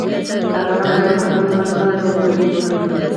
کارګران باید له خپل مزد زیات تولید وکړي